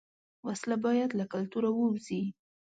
وسله باید له کلتوره ووځي